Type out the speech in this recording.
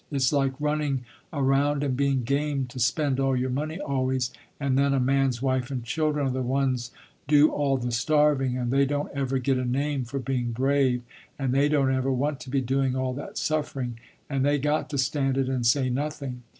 It's like running around and being game to spend all your money always, and then a man's wife and children are the ones do all the starving and they don't ever get a name for being brave, and they don't ever want to be doing all that suffering, and they got to stand it and say nothing.